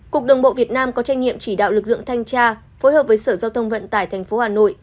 cục đường bộ việt nam có trách nhiệm chỉ đạo lực lượng thanh tra phối hợp với sở giao thông vận tải tp hà nội